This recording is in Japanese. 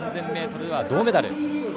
３０００ｍは銅メダル。